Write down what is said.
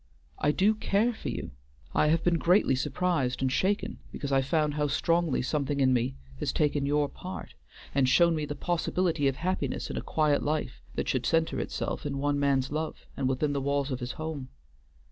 I do care for you. I have been greatly surprised and shaken because I found how strongly something in me has taken your part, and shown me the possibility of happiness in a quiet life that should centre itself in one man's love, and within the walls of his home.